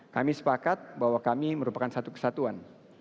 kami sepakat bahwa kami merupakan satu kesatuan